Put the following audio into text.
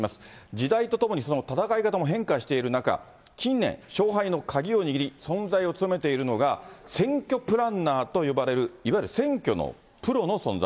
時代とともに、その戦い方も変化している中、近年、勝敗の鍵を握り、存在を強めているのが、選挙プランナーと呼ばれる、いわゆる選挙のプロの存在。